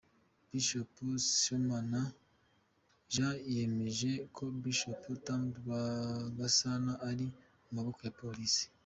Bishop Sibomana Jean yemeje ko Bishop Tom Rwagasana ari mu maboko ya Polisi.